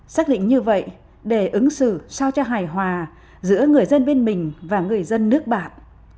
xác định như vậy để ứng xử sao cho hài hòa giữa người dân bên mình và người dân nước bạn